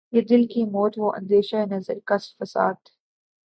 یہ دل کی موت وہ اندیشہ و نظر کا فساد